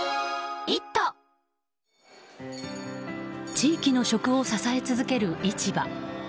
地域の食を支え続ける市場。